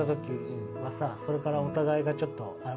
それからお互いがちょっと。